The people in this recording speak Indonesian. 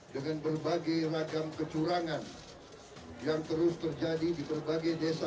dengan berbagai ragam kecurangan yang terus terjadi di berbagai desa